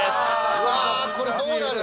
うわこれどうなる？